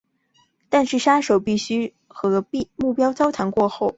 但是杀手必须要和目标交谈过才能知道其长相。